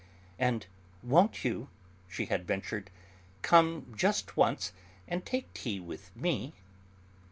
"And won't you," she had ventured, "come just once and take tea with me?"